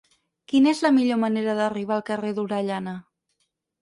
Quina és la millor manera d'arribar al carrer d'Orellana?